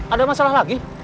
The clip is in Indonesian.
ada masalah lagi